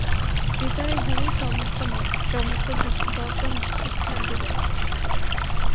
ভিতরে গুরুই সকল মত, সমস্ত দর্শন শিক্ষা দিবেন।